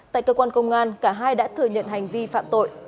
tại cơ quan công an cả hai đã thừa nhận hành vi phạm tội